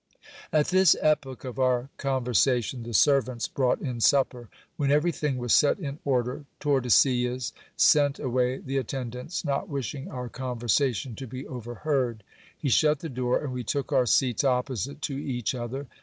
At this epoch of our conversation, the servants brought in supper. When everything was set in order, Tordesillas sent away the attendants, not wishing our conversation to be overheard He shut the door, and we took our seats opposite to each other.